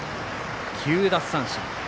９奪三振。